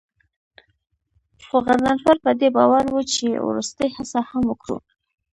خو غضنفر په دې باور و چې وروستۍ هڅه هم وکړو.